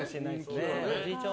おじいちゃん